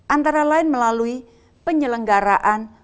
antara lain melalui penyelenggaraan